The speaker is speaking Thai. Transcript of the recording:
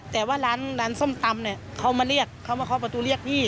แต่ว่าร้านส้มตำเนี่ยเขามาเรียกเขามาเคาะประตูเรียกพี่